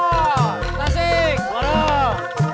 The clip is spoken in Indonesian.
klasik semarang semarang